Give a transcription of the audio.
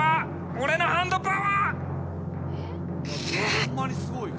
俺のハンドパワー。